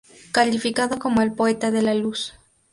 Calificado como el "poeta de la luz".